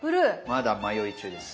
まだ迷い中です。